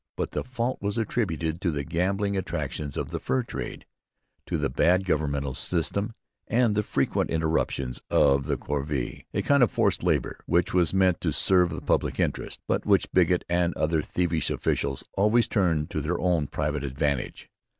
But the fault was attributed to the gambling attractions of the fur trade, to the bad governmental system, and to the frequent interruptions of the corvee, a kind of forced labour which was meant to serve the public interest, but which Bigot and other thievish officials always turned to their own private advantage.